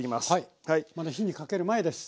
まだ火にかける前です。